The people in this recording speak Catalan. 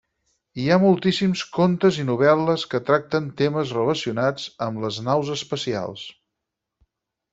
Hi ha moltíssims contes i novel·les que tracten temes relacionats amb les naus espacials.